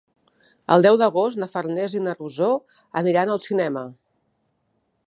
El deu d'agost na Farners i na Rosó aniran al cinema.